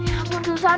ya ampun susah